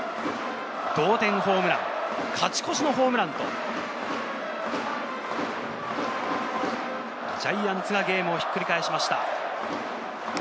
同点ホームラン、勝ち越しのホームランと、ジャイアンツがゲームをひっくり返しました。